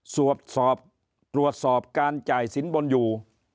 ตรวจสอบตรวจสอบการจ่ายสินบนอยู่